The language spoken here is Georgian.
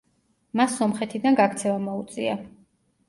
მას სომხეთიდან გაქცევა მოუწია.